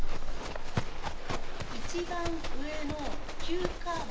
一番上の急カーブ